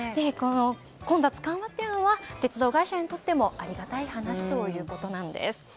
混雑緩和というのは鉄道会社にとってもありがたい話ということです。